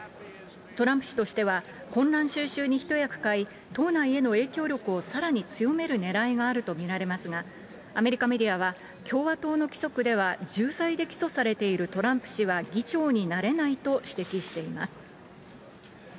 トランプ氏としては混乱収拾に一役買い、党内への影響力をさらに強めるねらいがあると見られますが、アメリカメディアは共和党の規則では重罪で起訴されているトランプ氏は、議長になれないと指摘しています。